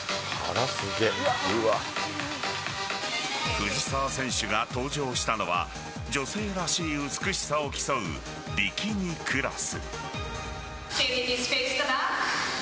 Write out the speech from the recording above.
藤澤選手が登場したのは女性らしい美しさを競うビキニクラス。